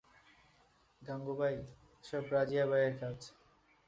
গাঙুবাই, এসব রাজিয়াবাই এর কাজ।